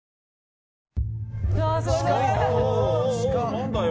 何だよ！